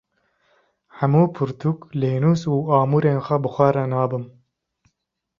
Hemû pirtûk, lênûs û amûrên xwe bi xwe re nabim.